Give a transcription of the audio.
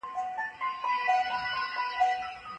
سپوږمۍ د شپې په تیارې کې لاره روښانوي.